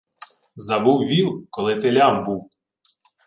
Забув віл, коли телям був.